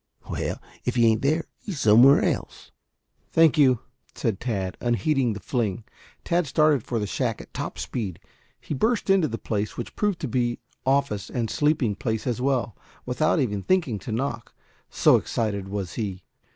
"Well, if he ain't there, he's somewhere else." "Thank you," said Tad, unheeding the fling. Tad started for the shack at top speed. He burst into the place, which proved to be office and sleeping place as well, without even thinking to knock, so excited was he.